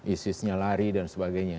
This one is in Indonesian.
isisnya lari dan sebagainya